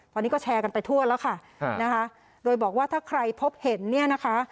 ตอนนี้ก็แชร์กันไปทั่วแล้วค่ะนะคะโดยบอกว่าถ้าใครพบเห็นเนี่ยนะคะ